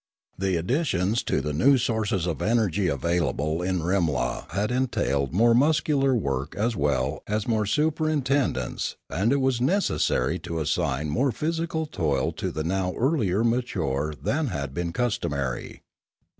The additions to the sources of the energy available in Rimla had entailed more muscular work as well as more superintendence, and it was necessary to assign more physical toil to the now earlier mature than had been customary.